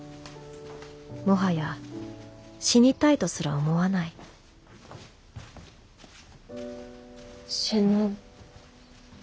もはや死にたいとすら思わない死のう。